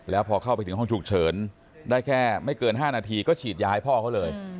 แล้วพอเข้าไปถึงห้องฉุกเฉินได้แค่ไม่เกิน๕นาทีก็ฉีดยาให้พ่อเขาเลย